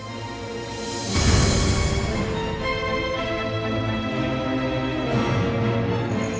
enggak ingin pergi di restart